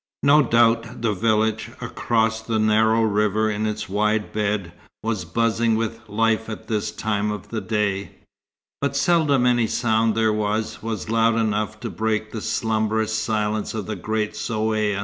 No doubt the village, across the narrow river in its wide bed, was buzzing with life at this time of day; but seldom any sound there was loud enough to break the slumberous silence of the great Zaouïa.